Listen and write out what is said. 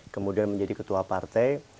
kemudian menjadi ketua partai